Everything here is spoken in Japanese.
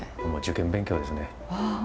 もう受験勉強ですね。